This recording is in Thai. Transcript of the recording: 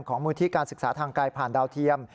มูลที่การศึกษาทางไกลผ่านดาวเทียม